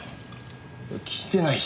聞いてないし。